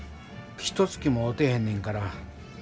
ひとつきも会うてへんねんから。